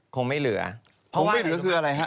ผมไม่เหลือคืออะไรฮะ